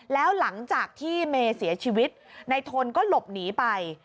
แล้วหลังจากที่เมย์เสียชีวิตในทนก็หลบหนีไป